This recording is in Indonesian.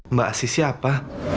mbak asisi apa